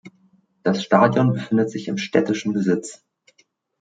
Das Stadion befindet sich im städtischen Besitz.